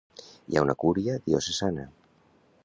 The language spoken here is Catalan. Hi ha una Cúria Diocesana.